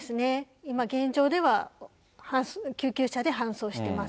今、現状では救急車で搬送してます。